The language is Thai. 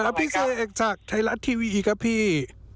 ค่ะพี่เสกจากไทยรัสทีวีครับพี่